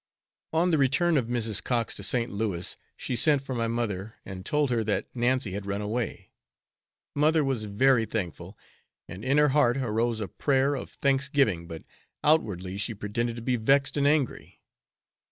On the return of Mrs. Cox to St. Louis she sent for my mother and told her that Nancy had run away. Mother was very thankful, and in her heart arose a prayer of thanksgiving, but outwardly she pretended to be vexed and angry.